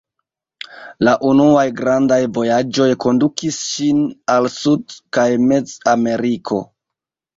La unuaj grandaj vojaĝoj kondukis ŝin al Sud- kaj Mez-Ameriko.